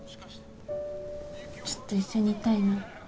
ずっと一緒にいたいな。